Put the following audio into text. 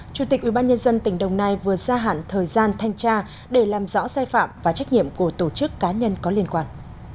chủ tịch ubnd tỉnh đồng nai vừa gia hạn thời gian thanh tra để làm rõ sai phạm và trách nhiệm của tổ chức cá nhân có liên quan